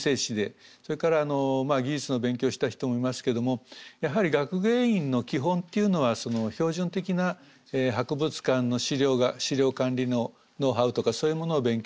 それから技術の勉強をした人もいますけどもやはり学芸員の基本っていうのは標準的な博物館の史料管理のノウハウとかそういうものを勉強して。